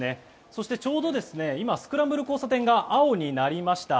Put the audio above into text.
そしてちょうどスクランブル交差点が青になりました。